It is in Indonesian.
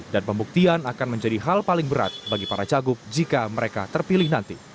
dan pembuktian akan menjadi hal paling berat bagi para cagup jika mereka terpilih